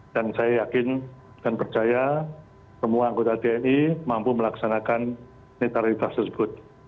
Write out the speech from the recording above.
dan saya yakin dan percaya semua anggota tni mampu melaksanakan netralitas tersebut